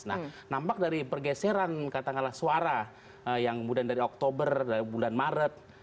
nah nampak dari pergeseran katakanlah suara yang kemudian dari oktober dari bulan maret